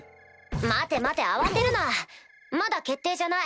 待て待て慌てるなまだ決定じゃない。